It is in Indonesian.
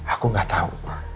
aku gak tau